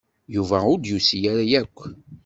Yuba ur d-yusi ara akk.